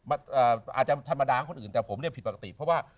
อาจจะธรรมดาของคนอื่นแต่ผมเนี่ยผิดปกติเพราะว่า